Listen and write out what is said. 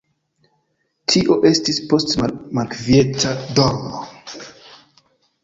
Tio estis post malkvieta dormo.